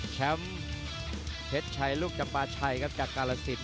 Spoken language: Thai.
แชมป์เพชรชัยลูกจำปาชัยครับจากกาลสิน